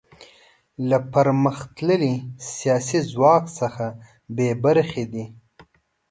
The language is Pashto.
له پرمختللي سیاسي ځواک څخه بې برخې دي.